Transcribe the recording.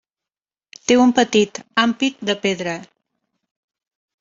Té un petit ampit de pedra.